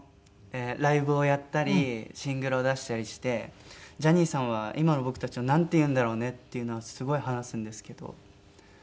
ライブをやったりシングルを出したりして「ジャニーさんは今の僕たちをなんて言うんだろうね？」っていうのはすごい話すんですけど。